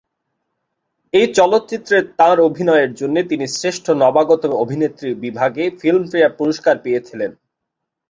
এই চলচ্চিত্রের তাঁর অভিনয়ের জন্য তিনি শ্রেষ্ঠ নবাগত অভিনেত্রী বিভাগে ফিল্মফেয়ার পুরস্কার পেয়ে ছিলেন।